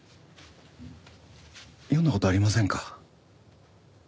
読んだ事ありませんか？